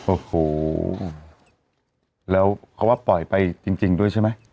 โอ้โหแล้วเขาว่าปล่อยไปจริงด้วยใช่ไหม